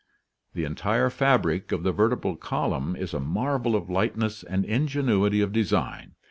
The entire fabric of the vertebral column is a marvel of lightness and ingenuity of design.